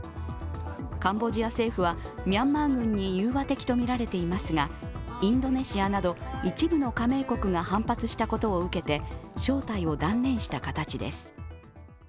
カンボジア政府は、ミャンマー軍に融和的とみられていますがインドネシアなど一部の加盟国が反発したことを受けて招待を断念した形です。